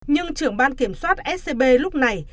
nhưng trưởng ban kiểm soát scb lúc này